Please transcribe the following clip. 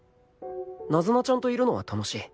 ナズナちゃんといるのは楽しい